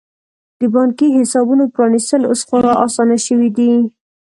د بانکي حسابونو پرانیستل اوس خورا اسانه شوي دي.